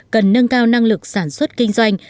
cần nâng cao năng lực sản xuất kinh doanh